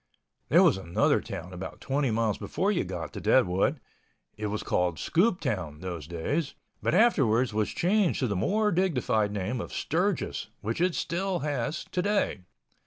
There was another town about 20 miles before you got to Deadwood. It was called Scooptown those days, but afterwards was changed to the more dignified name of Sturgis, which it still has today.